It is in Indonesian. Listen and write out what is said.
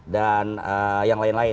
dan yang lain lain